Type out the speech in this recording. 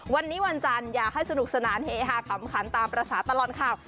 วันนี้วันจันทร์อยากให้สนุกสนานเฮฮาขำขันตามภาษาตลอดข่าว